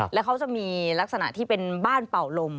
แล้วเขาจะมีลักษณะที่เป็นบ้านเป่าลม